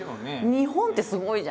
日本ってすごいじゃんって。